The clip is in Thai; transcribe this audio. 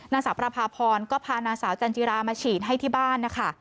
นางสาวประพาพรก็พานางสาวจันจิรามาฉีดให้ที่บ้านนะคะ